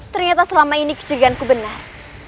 ternyata selama ini kecurigaanku benar